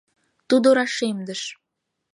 Тудо рашемдыш: